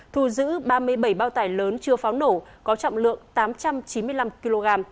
thu giữ ba mươi bảy bao tải lớn chưa pháo nổ có trọng lượng tám trăm chín mươi năm kg